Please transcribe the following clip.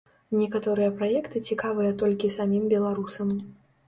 Некаторыя праекты цікавыя толькі самім беларусам.